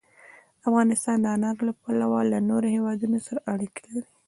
افغانستان د انارو له پلوه له نورو هېوادونو سره اړیکې لري.